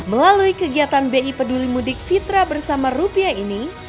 melalui kegiatan bi peduli mudik fitra bersama rupiah ini